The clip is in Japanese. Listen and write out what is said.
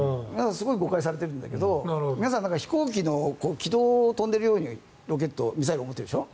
すごく誤解されてるんだけど飛行機の軌道を飛んでいるようにミサイル、思っているでしょ。